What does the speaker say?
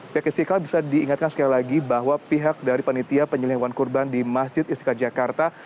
pihak istiqlal bisa diingatkan sekali lagi bahwa pihak dari panitia penyelenggara hewan kurban di masjid istiqlal jakarta